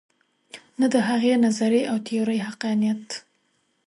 نه د هغې نظریې او تیورۍ حقانیت.